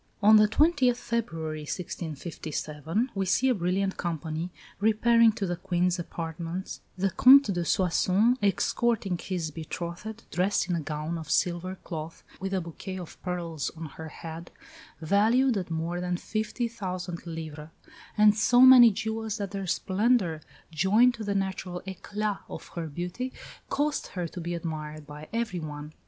On the 20th February, 1657, we see a brilliant company repairing to the Queen's apartments, "the Comte de Soissons escorting his betrothed, dressed in a gown of silver cloth, with a bouquet of pearls on her head, valued at more than 50,000 livres, and so many jewels that their splendour, joined to the natural éclat of her beauty, caused her to be admired by everyone.